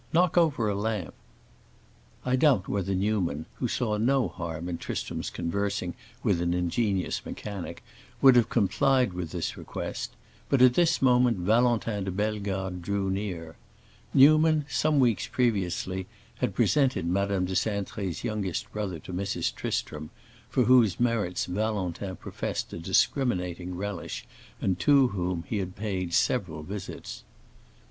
Knock over a lamp!" I doubt whether Newman, who saw no harm in Tristram's conversing with an ingenious mechanic, would have complied with this request; but at this moment Valentin de Bellegarde drew near. Newman, some weeks previously, had presented Madame de Cintré's youngest brother to Mrs. Tristram, for whose merits Valentin professed a discriminating relish and to whom he had paid several visits.